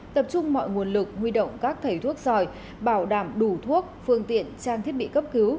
tập trung mọi nguồn lực huy động các thầy thuốc giỏi bảo đảm đủ thuốc phương tiện trang thiết bị cấp cứu